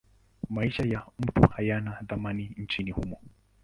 Maisha ya mtu hayana thamani nchini humo.